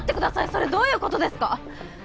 それどういうことですか？